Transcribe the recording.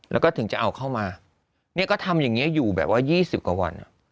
แล้วก็ถึงจะเอาเข้ามาเนี่ยก็ทำอย่างนี้อยู่แบบว่า๒๐กว่าวัน